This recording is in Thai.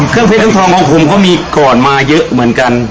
เครื่องเพชรเครื่องทองของผมก็มีก่อนมาเยอะเหมือนกัน